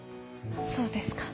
そうですか。